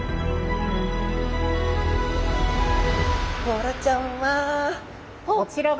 ボラちゃんは。